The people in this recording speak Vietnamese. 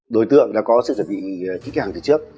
đối tượng đã có sự giải trí kỹ càng từ trước